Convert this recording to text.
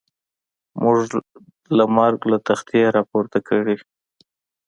موږ له مرګ له تختې را پورته کړي.